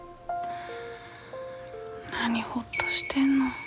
何ほっとしてんの。